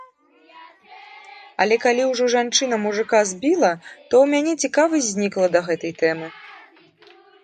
Але калі ўжо жанчына мужыка збіла, то ў мяне цікавасць знікла да гэтай тэмы.